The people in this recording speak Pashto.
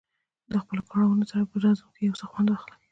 د خپلو کړاوونو سره په رزم یو څه خوند واخلي.